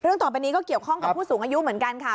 ต่อไปนี้ก็เกี่ยวข้องกับผู้สูงอายุเหมือนกันค่ะ